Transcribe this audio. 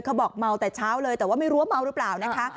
เขาบอกเมาแต่เช้าเลยแต่ว่าไม่รู้ว่าเมาหรือเปล่านะคะ